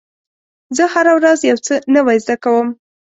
زه هره ورځ یو څه نوی زده کوم.